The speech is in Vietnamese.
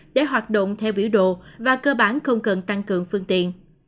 để hoạt động theo biểu đồ và cơ bản không cần tăng cường phương tiện